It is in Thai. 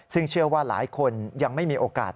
ซึ่งเชื่อว่าหลายคนยังไม่มีโอกาส